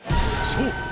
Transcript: そう！